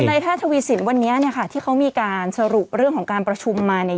แพทย์ทวีสินวันนี้เนี่ยค่ะที่เขามีการสรุปเรื่องของการประชุมมาเนี่ย